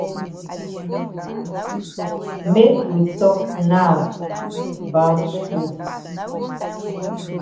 Make we tok now about skul.